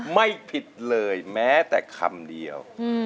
ไม่ผิดเลยแม้แต่คำเดียว